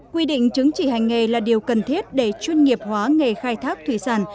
quy định chứng chỉ hành nghề là điều cần thiết để chuyên nghiệp hóa nghề khai thác thủy sản